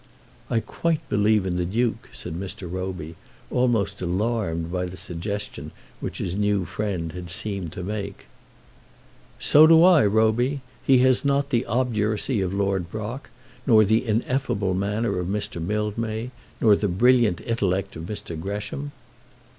"I quite believe in the Duke," said Mr. Roby, almost alarmed by the suggestion which his new friend had seemed to make. "So do I, Roby. He has not the obduracy of Lord Brock, nor the ineffable manner of Mr. Mildmay, nor the brilliant intellect of Mr. Gresham."